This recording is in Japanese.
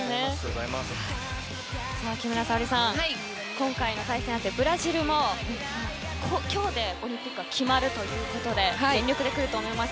今回の対戦相手、ブラジルも今日で、オリンピックが決まるということで全力できます。